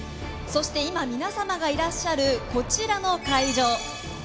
そして今皆さまがいらっしゃるこちらの会場